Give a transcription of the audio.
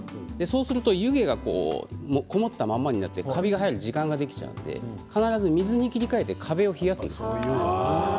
そうすると湯気が籠もったままになってカビが生える時間ができてしまうので必ず水に切り替えて壁を冷やすんです。